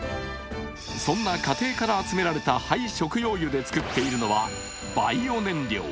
そんな家庭から集められた廃食用油で作っているのはバイオ燃料。